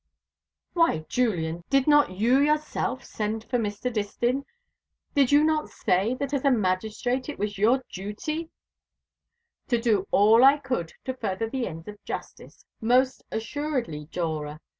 "Why, Julian, did not you yourself send for Mr. Distin? did you not say that as a magistrate it was your duty " "To do all I could to further the ends of justice. Most assuredly, Dora.